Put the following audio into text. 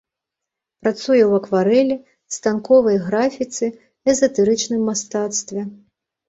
Працуе ў акварэлі, станковай графіцы, эзатэрычным мастацтве.